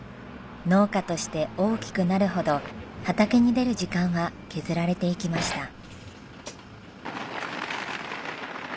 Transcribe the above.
農家として大きくなるほど畑に出る時間は削られていきました。